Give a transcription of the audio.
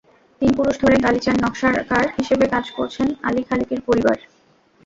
তিন পুরুষ ধরে গালিচার নকশাকার হিসেবে কাজ করছেন আলি খালিকির পরিবার।